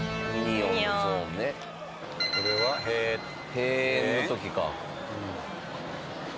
閉園の時か。